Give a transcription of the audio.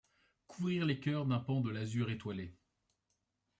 Couvrir les cœurs d’un pan de l’azur étoilé